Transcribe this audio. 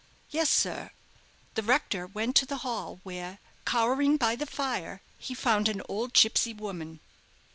"Yes, sir." The rector went to the hall, where, cowering by the fire, he found an old gipsy woman.